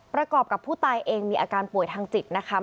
ประกอบกับผู้ตายเองมีอาการป่วยทางจิตนะคะ